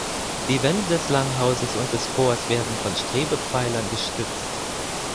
Die Wände des Langhauses und des Chors werden von Strebepfeilern gestützt.